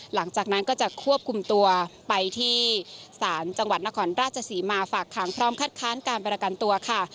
หลังจากนั้นก็จะควบคุมตัวไปที่ศาลจังหวัดนครราชศรีมาฝากขังพร้อมคัดค้านการประกันตัวค่ะ